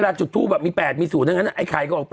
เวลาจุดทูบแบบมี๘มี๐อย่างนั้นไอ้ไขก็ออก๘